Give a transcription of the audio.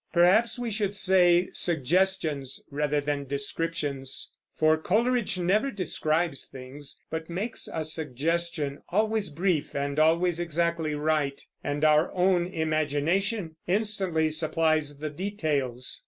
Perhaps we should say suggestions, rather than descriptions; for Coleridge never describes things, but makes a suggestion, always brief and always exactly right, and our own imagination instantly supplies the details.